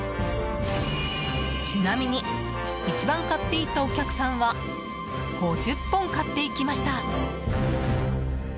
ちなみに一番買っていったお客さんは５０本買っていきました。